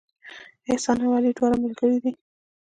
احسان او علي دواړه ملګري دي